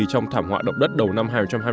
trong thảm họa động đất đầu năm hai nghìn hai mươi